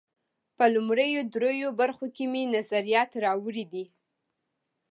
په لومړیو درېیو برخو کې مې نظریات راوړي دي.